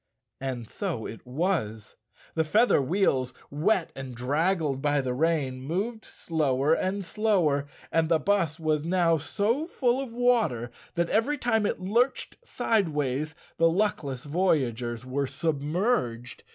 And so it was. The feather wheels, wet and draggled by the rain, moved slower and slower, and the bus was now so full of water that every time it lurched sideways the luckless voyagers were submerged.